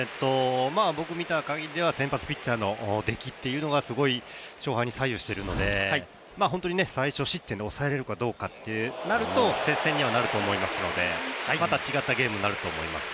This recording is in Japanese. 僕、見た限りでは先発ピッチャーの出来というのがすごい勝敗に左右しているので、本当に最初ノー失点で抑えられるかっていうところで、接戦にはなると思いますので、また違ったゲームになると思います。